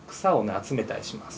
集めたりします。